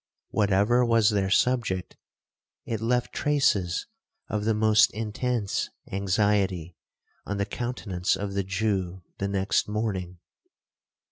Whatever was their subject, it left traces of the most intense anxiety on the countenance of the Jew the next morning.